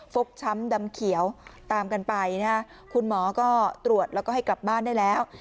ฟกช้ำดำเขียวตามกันไปนะฮะคุณหมอก็ตรวจแล้วก็ให้กลับบ้านได้แล้ว